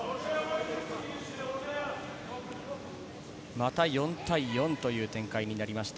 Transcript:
また４対４という展開になりました。